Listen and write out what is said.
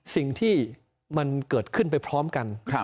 สิ่งที่มันเกิดขึ้นไปพร้อมกัน